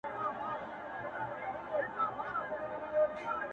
ته خو له هري ښيښې وځې و ښيښې ته ورځې!!